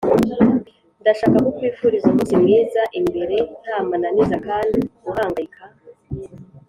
ndashaka kukwifuriza umunsi mwiza imbere nta mananiza kandi guhangayika,